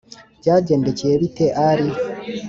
byagendekeye bite alī?